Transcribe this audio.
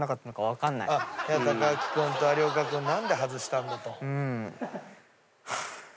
木君と有岡君何で外したんだと。